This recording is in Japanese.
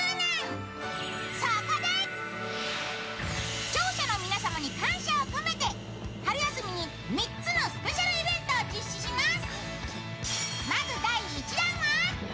視聴者の皆様に感謝を込めて春休みに３つのスペシャルイベントを実施します。